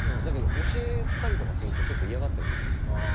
だけど教えたりとかするとちょっと嫌がったりすんだよね。